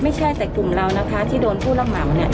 ไม่ใช่แต่กลุ่มเรานะคะที่โดนผู้รับเหมาเนี่ย